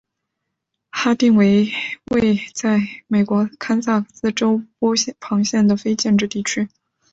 哈定为位在美国堪萨斯州波旁县的非建制地区。